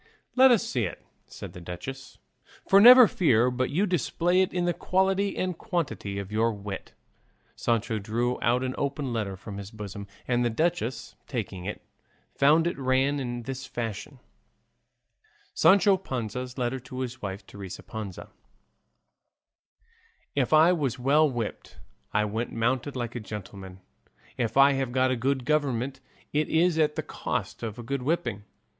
"Let us see it," said the duchess, "for never fear but you display in it the quality and quantity of your wit." Sancho drew out an open letter from his bosom, and the duchess, taking it, found it ran in this fashion: SANCHO PANZA'S LETTER TO HIS WIFE, TERESA PANZA If I was well whipped I went mounted like a gentleman; if I have got a good government it is at the cost of a good whipping.